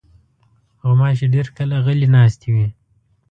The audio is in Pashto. غوماشې ډېر کله غلې ناستې وي.